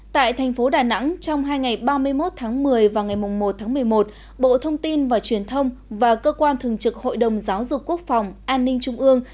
tại thành phố đà nẵng trong hai ngày ba mươi một tháng một mươi và ngày một tháng một mươi một bộ thông tin và truyền thông và cơ quan thường trực hội đồng giáo dục quốc phòng an ninh trung ương